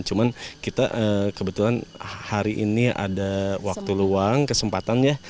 cuman kita kebetulan hari ini ada waktu luang kesempatannya